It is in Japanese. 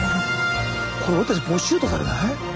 これ俺たちボッシュートされない？